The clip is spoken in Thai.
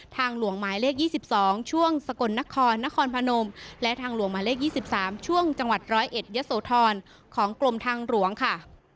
ทางหลวงหมายเลขยี่สิบสองช่วงสกลนครนครพนมและทางหลวงหมายเลขยี่สิบสามช่วงจังหวัดร้อยเอ็ดยสโทรนของกลมทางหลวงค่ะ